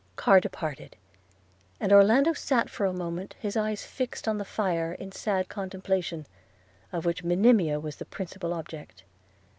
Carr departed; and Orlando sat for a moment, his eyes fixed on the fire, in sad contemplation, of which Monimia was the principal object.